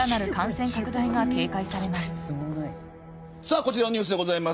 こちらのニュースです。